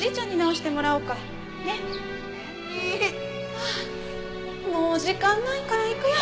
あっもう時間ないから行くよ。